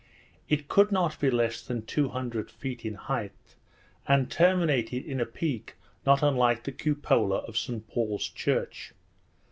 It could not be less than two hundred feet in height, and terminated in a peak not unlike the cupola of St Paul's church.